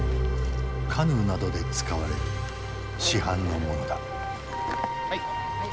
カヌーなどで使われる市販のものだ。